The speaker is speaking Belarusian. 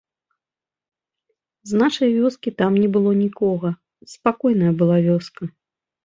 З нашай вёскі там не было нікога, спакойная была вёска.